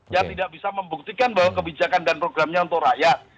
yang tidak bisa membuktikan bahwa kebijakan dan programnya untuk rakyat